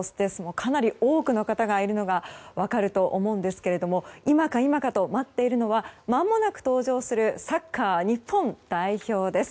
かなり多くの方がいるのが分かると思うんですが今か今かと待っているのはまもなく登場するサッカー日本代表です。